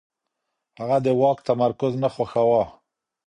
هغه د واک تمرکز نه خوښاوه.